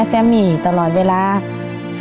ลองกันถามอีกหลายเด้อ